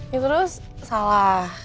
ya terus salah